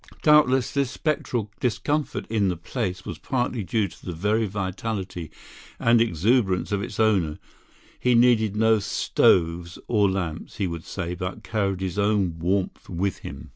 Doubtless this spectral discomfort in the place was partly due to the very vitality and exuberance of its owner; he needed no stoves or lamps, he would say, but carried his own warmth with him.